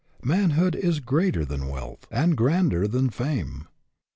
Manhood is greater than wealth and grander than fame.